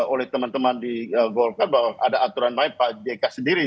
oleh teman teman di golkar bahwa ada aturan main pak jk sendiri